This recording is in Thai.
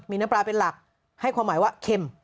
มีน้ำปลาเป็นหลักให้ความหมายว่าเค็ม